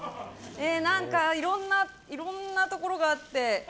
何かいろんなところがあって。